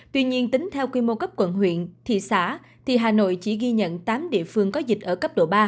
tuy nhiên tính theo quy mô cấp quận huyện thị xã thì hà nội chỉ ghi nhận tám địa phương có dịch ở cấp độ ba